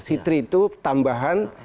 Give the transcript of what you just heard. sitri itu tambahan